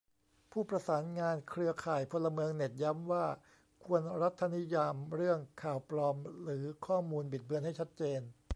ผู้ประสานงานเครือข่ายพลเมืองเน็ตย้ำว่าควรรัฐนิยามเรื่องข่าวปลอม หรือ ข้อมูลบิดเบือนให้ชัดเจน